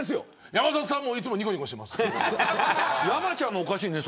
山里さんはいつもにこにこしてます。